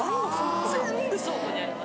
全部倉庫にあります。